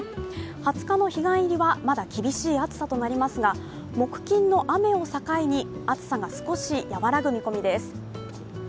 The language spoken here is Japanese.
２０日の彼岸入りはまだ厳しい暑さとなりますが木金、雨を境に熱さが少し和らぐ見込みです。